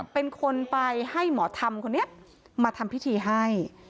เป็นคนไปให้หมอธรรมคนนี้มาทำพิธีให้